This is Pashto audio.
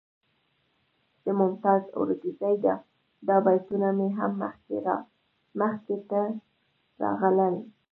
د ممتاز اورکزي دا بیتونه مې هم مخې ته راغلل.